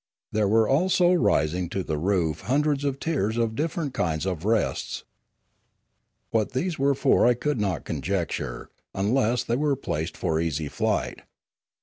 There were also rising to the roof hundreds of tiers of different kinds of rests. What these were for I could not conjecture, unless they were placed for easy flight.